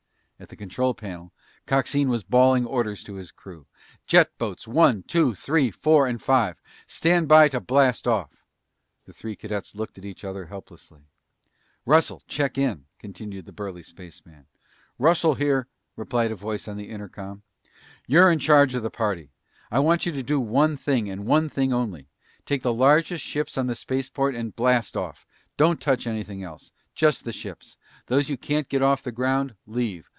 At the control panel, Coxine was bawling orders to his crew. "Jet boats one, two, three, four, and five! Stand by to blast off!" The three cadets looked at each other helplessly. "Russell, check in," continued the burly spaceman. "Russell here!" replied a voice on the intercom. "You're in charge of the party. I want you to do one thing, and one thing only! Take the largest ships on the spaceport and blast off. Don't touch anything else! Just the ships. Those you can't get off the ground, leave.